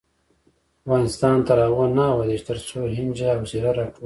افغانستان تر هغو نه ابادیږي، ترڅو هینجه او زیره راټوله نشي.